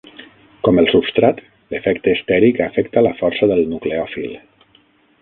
Com el substrat, l'efecte estèric afecta la força del nucleòfil.